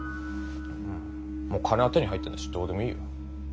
もう金は手に入ったんだしどうでもいいよ。